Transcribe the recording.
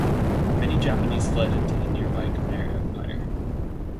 Many Japanese fled into the nearby Khmer Empire.